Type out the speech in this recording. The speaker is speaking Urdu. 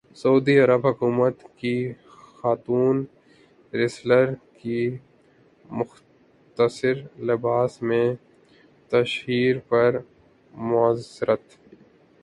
سعودی عرب حکومت کی خاتون ریسلر کی مختصر لباس میں تشہیر پر معذرت